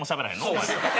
お前。